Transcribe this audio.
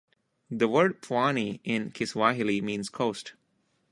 The word "pwani" in Kiswahili means "coast".